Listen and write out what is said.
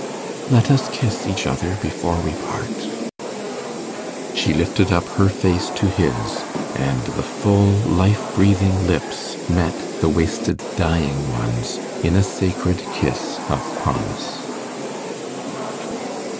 'Let us kiss each other before we part.' She lifted up her face to his, and the full life breathing lips met the wasted dying ones in a sacred kiss of promise.